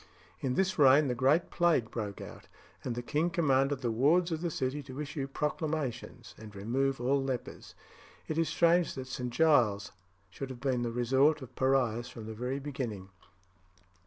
In this reign the great plague broke out, and the king commanded the wards of the city to issue proclamations and remove all lepers. It is strange that St. Giles's should have been the resort of pariahs from the very beginning.